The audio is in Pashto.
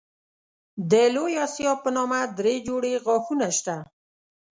د لوی آسیاب په نامه دری جوړې غاښونه شته.